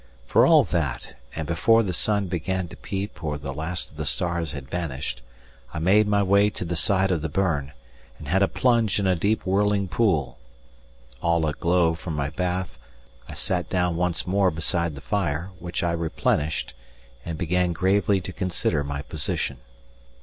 For all that, and before the sun began to peep or the last of the stars had vanished, I made my way to the side of the burn, and had a plunge in a deep whirling pool. All aglow from my bath, I sat down once more beside the fire, which I replenished, and began gravely to consider my position.